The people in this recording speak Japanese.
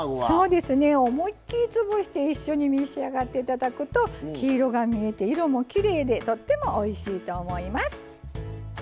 そうですね思いっきり潰して一緒に召し上がって頂くと黄色が見えて色もきれいでとってもおいしいと思います！